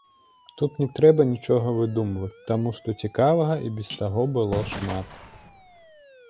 Тут не трэба нічога выдумваць, таму што цікавага і без таго было шмат.